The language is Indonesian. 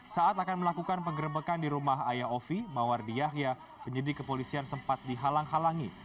saat akan melakukan penggerbekan di rumah ayah ovi mawardi yahya penyidik kepolisian sempat dihalang halangi